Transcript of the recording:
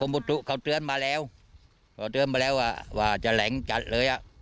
บุตุเขาเตือนมาแล้วเขาเตือนมาแล้วว่าจะแหลงจัดเลยอ่ะ